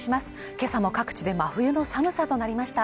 今朝も各地で真冬の寒さとなりました